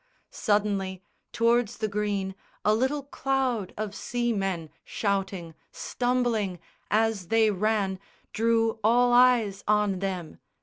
Suddenly, tow'rds the green, a little cloud Of seamen, shouting, stumbling, as they ran Drew all eyes on them.